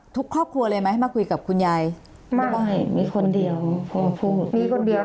ครอบครัวเลยไหมมาคุยกับคุณยายไม่มีคนเดียวพอพูดมีคนเดียว